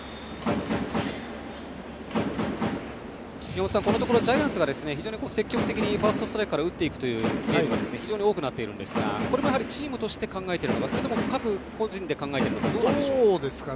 宮本さん、このところジャイアンツが積極的にファーストストライクから打っていくゲームが非常に多くなっていますがこれもチームとして考えているのかそれとも個人で考えてるのかどっちでしょうか。